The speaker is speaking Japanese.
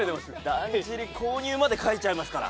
だんじり購入まで書かれてますから。